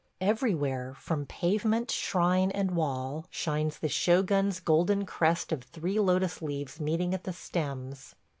Everywhere, from pavement, shrine, and wall, shines the shogun's golden crest of three lotus leaves meeting at the stems.